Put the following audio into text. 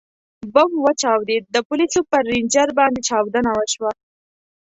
ـ بم وچاودېد، د پولیسو پر رینجر باندې چاودنه وشوه.